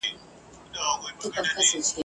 همېشه وي ګنډکپانو غولولی !.